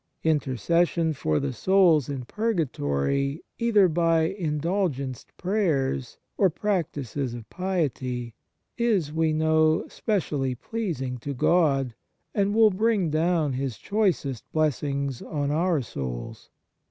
Intercession for the souls in purgatory, either by indulgenced prayers, or practices of piety, is, we know, specially pleasing to God, and will bring down His choicest blessings on our souls.